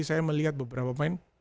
saya melihat beberapa main